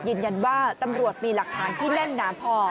ยืนยันว่าตำรวจมีหลักฐานที่แน่นหนาพอ